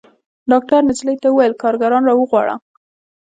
ډاکتر نجلۍ ته وويل کارګران راوغواړه.